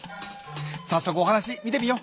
早速お話見てみよう。